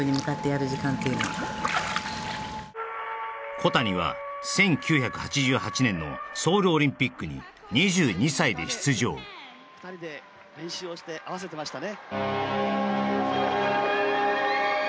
小谷は１９８８年のソウルオリンピックに２２歳で出場２人で練習をして合わせてましたね